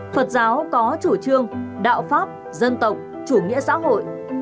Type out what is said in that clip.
phật giáo có chủ trương đạo pháp dân tộc chủ nghĩa xã hội